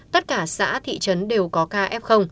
tất cả xã thị trấn đều có ca f